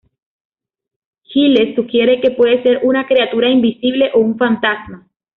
Giles sugiere que puede ser una criatura invisible o un fantasma.